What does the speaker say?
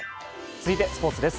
続いてスポーツです。